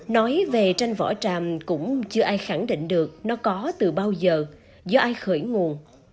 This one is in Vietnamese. nói về tranh vỏ tràm cũng chưa ai khẳng định được nó có từ bao giờ do ai khởi nguồn